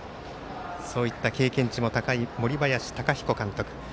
そういった経験値も高い森林貴彦監督。